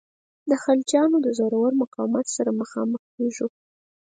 د خلجیانو د زورور مقاومت سره مخامخ کیږو.